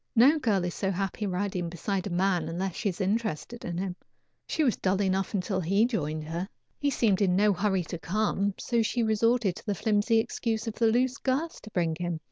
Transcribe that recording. No girl is so happy riding beside a man unless she is interested in him. She was dull enough until he joined her. He seemed in no hurry to come, so she resorted to the flimsy excuse of the loose girth to bring him.